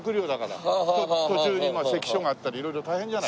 途中に関所があったり色々大変じゃない。